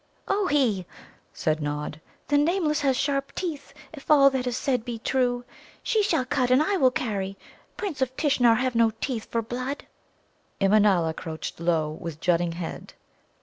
"Ohé," said Nod, "the Nameless has sharp teeth, if all that is said be true. She shall cut, and I will carry. Princes of Tishnar have no tongue for blood." Immanâla crouched low, with jutting head.